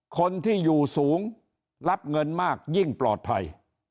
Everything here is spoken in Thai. คนที่อยู่สูงรับเงินมากยิ่งปลอดภัย